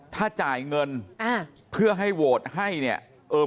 ถ้าจ่ายเงินอ่าเพื่อให้โหวตให้เนี่ยเออ